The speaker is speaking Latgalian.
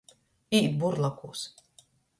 Īt burlakūs.